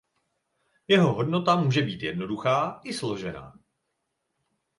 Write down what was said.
Jeho hodnota může být jednoduchá i složená.